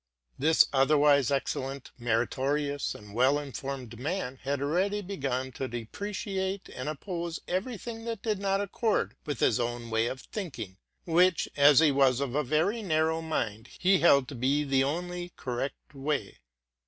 This otherwise excellent, meritorious, and well informed man, had already begun to depreciate and oppose every thing that did not accord with his own way of thinking, which, as he was of a very narrow mind, he held to be the "only correct way.